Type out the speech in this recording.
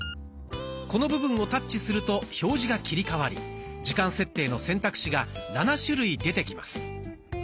この部分をタッチすると表示が切り替わり時間設定の選択肢が７種類出てきます。